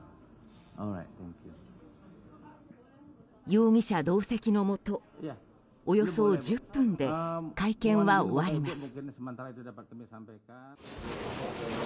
容疑者同席のもとおよそ１０分で会見は終わります。